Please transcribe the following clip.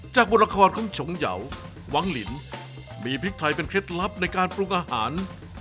บทละครของฉงยาววังลินมีพริกไทยเป็นเคล็ดลับในการปรุงอาหาร